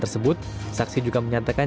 tersebut saksi juga menyatakan